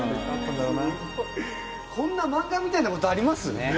こんな漫画みたいなことあります？